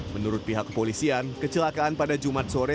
menurut pihak kepolisian kecelakaan pada jumat sore